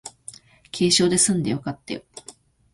軽傷ですんでよかったよ